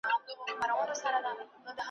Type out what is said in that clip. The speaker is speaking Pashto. د سکندر لېچي وې ماتي `